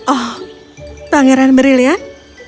oh pangeran merilyan